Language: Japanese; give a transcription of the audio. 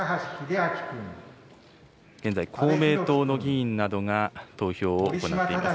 現在、公明党の議員などが投票を行っています。